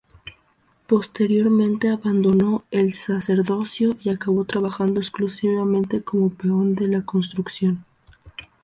Posteriormente abandonó el sacerdocio y acabó trabajando exclusivamente como peón de la construcción.